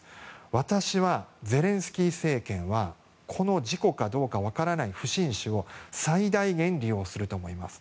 私はゼレンスキー政権はこの事故かどうか分からない不審死を最大限利用すると思います。